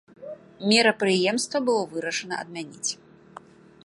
Мерапрыемства было вырашана адмяніць.